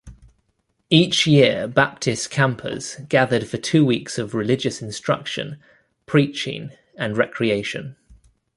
Each year Baptist campers gathered for two weeks of religious instruction, preaching, and recreation.